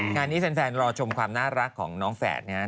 งานนี้แฟนรอชมความน่ารักของน้องแฝดนะครับ